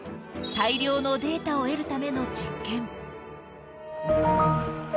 大量のデータを得るための実験。